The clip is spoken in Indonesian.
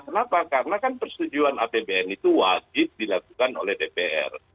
kenapa karena kan persetujuan apbn itu wajib dilakukan oleh dpr